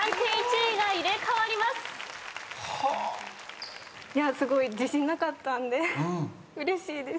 すごい自信なかったんでうれしいです。